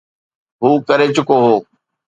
هو ڪري چڪو هو.